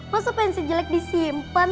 masa pensil jelek disimpen